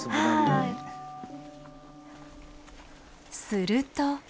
すると。